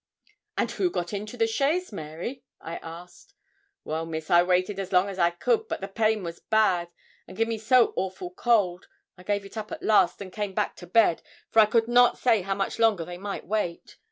'And who got into the chaise, Mary?' I asked. 'Well, Miss, I waited as long as I could; but the pain was bad, and me so awful cold; I gave it up at last, and came back to bed, for I could not say how much longer they might wait.